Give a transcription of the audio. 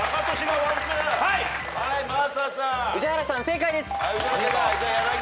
宇治原さん正解です。